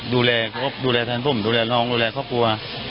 ดูแลเขาก็ดูแลแทนผมดูแลน้องดูแลครอบครัว